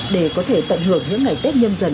để có thể tận hưởng những ngày tết nhâm dần